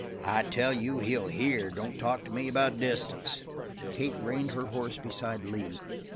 "I tell you he'll hear! Don't talk to me about distance." Kate reined her horse beside Lee.